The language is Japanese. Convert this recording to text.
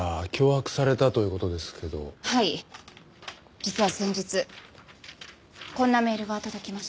実は先日こんなメールが届きました。